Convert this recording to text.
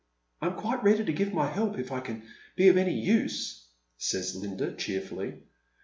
" I'm quite ready to give my help, if I can be of any use,* says Linda, cheerfully.